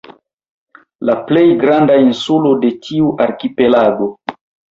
La plej granda insulo de tiu arkipelago.